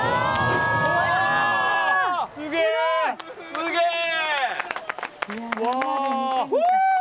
すげえ！